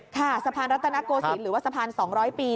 ค่ะสะพานรัตนโกศิลป์หรือว่าสะพาน๒๐๐ปี